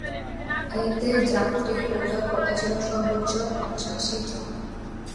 এতে যাত্রী ওঠার কথা ছিল সর্বোচ্চ পঁচাশিজন।